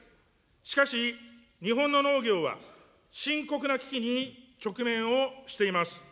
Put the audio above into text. しかし、日本の農業は、深刻な危機に直面をしています。